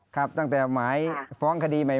ครับตั้งแต่หมายฟ้องคดีใหม่